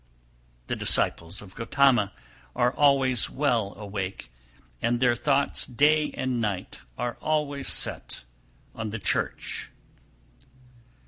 298. The disciples of Gotama are always well awake, and their thoughts day and night are always set on the church.